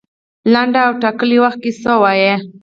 لنډ او ټاکلي وخت کې سوی وای.